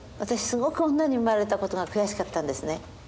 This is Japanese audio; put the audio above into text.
すごく女に生まれたことが悔しかったんですね。